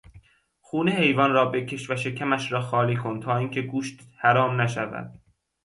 خون حیوان را بکش و شکمش را خالی کن تا اینکه گوشت حرام نشود.